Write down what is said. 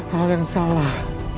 hal yang salah